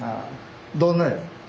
どんな？